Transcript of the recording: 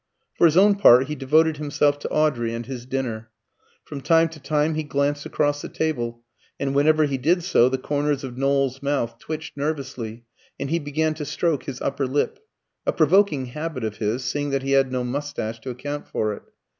For his own part, he devoted himself to Audrey and his dinner. From time to time he glanced across the table, and whenever he did so the corners of Knowles's mouth twitched nervously and he began to stroke his upper lip a provoking habit of his, seeing that he had no moustache to account for it.